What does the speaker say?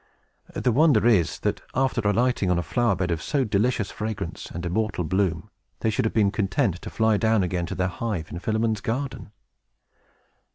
The wonder is, that, after alighting on a flower bed of so delicious fragrance and immortal bloom, they should have been content to fly down again to their hive in Philemon's garden.